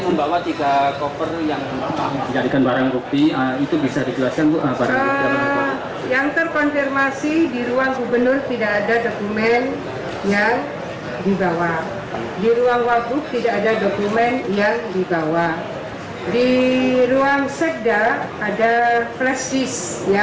menurut kofifah dalam penggeledahan yang dilakukan oleh kpk